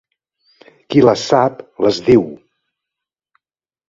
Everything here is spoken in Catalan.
Qui les sap les diu.